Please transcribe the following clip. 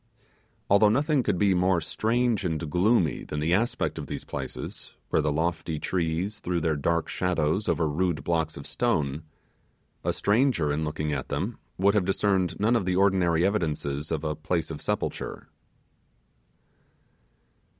Although nothing could be more strange and gloomy than the aspect of these places, where the lofty trees threw their dark shadows over rude blocks of stone, a stranger looking at them would have discerned none of the ordinary evidences of a place of sepulture.